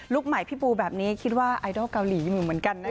ใหม่พี่ปูแบบนี้คิดว่าไอดอลเกาหลีอยู่เหมือนกันนะคะ